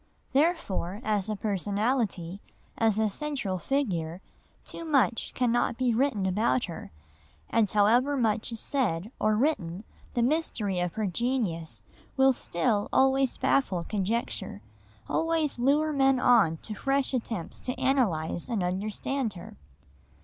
Therefore as a personality, as a central figure, too much cannot be written about her, and however much is said or written the mystery of her genius will still always baffle conjecture, always lure men on to fresh attempts to analyse and understand her.